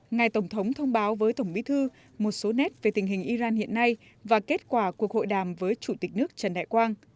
ngài tổng thống thông báo với tổng bí thư một số nét về tình hình iran hiện nay và kết quả cuộc hội đàm với chủ tịch nước trần đại quang